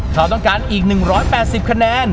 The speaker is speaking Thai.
เราต้องการอีก๑๘๐คะแนน